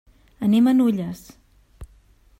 Anem a Nulles.